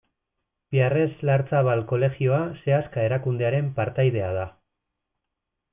Piarres Larzabal kolegioa Seaska erakundearen partaidea da.